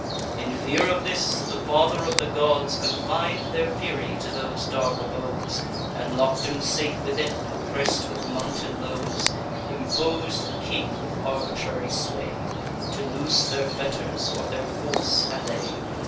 In fear of this, the Father of the Gods Confin'd their fury to those dark abodes, And lock'd 'em safe within, oppress'd with mountain loads; Impos'd a king, with arbitrary sway, To loose their fetters, or their force allay.